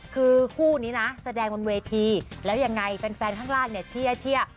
คือคู่นี้นะแสดงบนเวทีแล้วยังไงแฟนข้างล่างเนี่ยเชื่อ